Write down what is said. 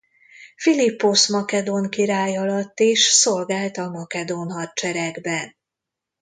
Philipposz makedón király alatt is szolgált a makedón hadseregben.